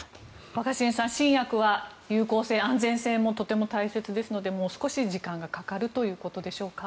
若新さん、新薬は有効性、安全性もとても大切ですのでもう少し時間がかかるということでしょうか。